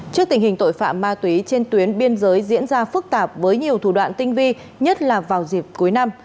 trước tình hình tội phạm ma túy trên tuyến biên giới diễn ra phức tạp với nhiều thủ đoạn tinh vi nhất là vào dịp cuối năm